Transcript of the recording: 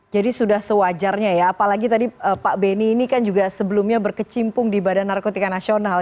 jadi sudah sewajarnya ya apalagi tadi pak beni ini kan juga sebelumnya berkecimpung di badan narkotika nasional